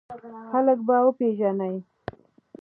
خلک به وپېژنې!